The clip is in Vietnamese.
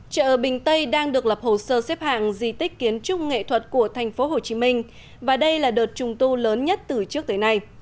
chợ bình tây đang được lập hồ sơ xếp hạng di tích kiến trúc nghệ thuật của tp hcm và đây là đợt trùng tu lớn nhất từ trước tới nay